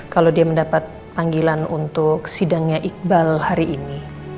kalau dia mendapat panggilan untuk sidangnya iqbal hari ini